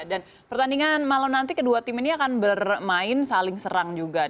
dan pertandingan malam nanti kedua tim ini akan bermain saling serang juga ya